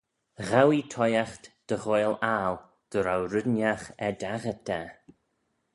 Ghow ee toshiaght dy ghoaill aggle dy row red ennagh er daghyrt da.